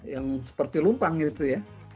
yang seperti lumpang gitu ya